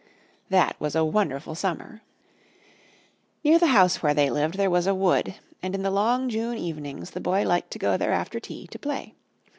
That was a wonderful Summer! Near the house where they lived there was a wood, and in the long June evenings the Boy liked to go there after tea to play.